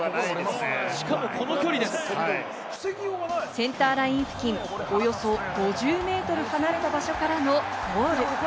センターライン付近、およそ５０ｍ離れた場所からのゴール。